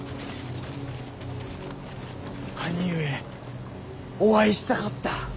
兄上お会いしたかった。